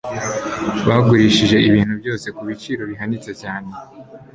Bagurishije ibintu byose kubiciro bihanitse cyane.